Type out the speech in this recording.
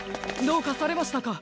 どうかされましたか？